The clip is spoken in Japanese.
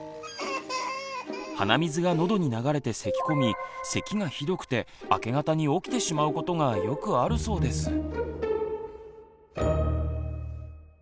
鼻水がのどに流れてせきこみせきがひどくて明け方に起きてしまうことがよくあるそうです。